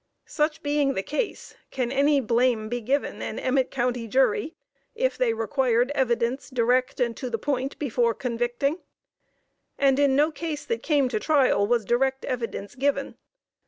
Such being the case, can any blame be given an Emmett County jury if they required evidence direct and to the point before convicting? And in no case that came to trial was direct evidence given.